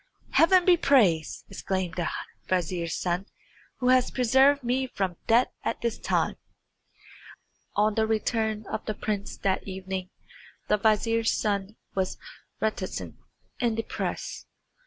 "Heaven be praised," exclaimed the vizier's son, "who has preserved me from death at this time!" On the return of the prince that evening the vizier's son was very reticent and depressed.